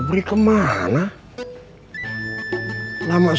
obrik kemana lama sekali